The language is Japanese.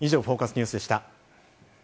ニュースでした。